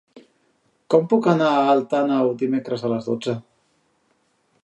Com puc anar a Alt Àneu dimecres a les dotze?